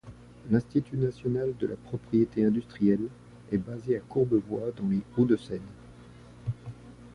L’institut national de la propriété industrielle est basé à Courbevoie dans les Hauts-de-Seine.